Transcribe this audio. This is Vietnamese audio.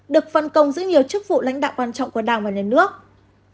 được phân công giữ nhiều chức vụ lãnh đạo quan trọng của đảng và nhà nước